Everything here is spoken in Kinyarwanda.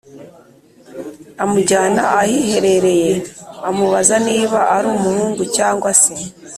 amujyana ahiherereye, amubaza niba ari umuhungu, cyangwa se